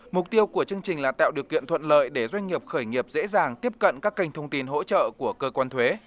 mục tiêu của chương trình là tạo điều kiện thuận lợi để doanh nghiệp khởi nghiệp dễ dàng tiếp cận các kênh thông tin hỗ trợ của cơ quan thuế